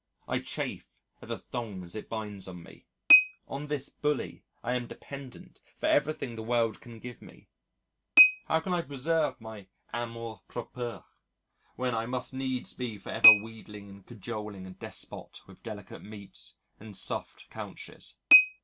I chafe at the thongs it binds on me. On this bully I am dependent for everything the world can give me. How can I preserve my amour propre when I must needs be for ever wheedling and cajoling a despot with delicate meats and soft couches?